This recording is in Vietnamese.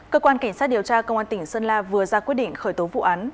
cơ quan cảnh sát điều tra công an tỉnh sơn la vừa ra quyết định khởi tố vụ án